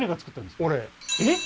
えっ？